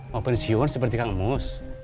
mau pensiun seperti kang mus